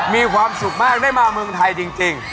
มีความสุขมากได้มาเมืองไทยจริง